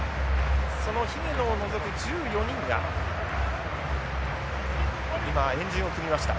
その姫野を除く１４人が今円陣を組みました。